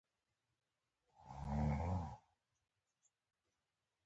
د اندوکراین سیستم کوچنیو غدو مجموعه ده.